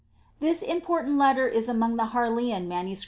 This important letter is among the llarleian MSS.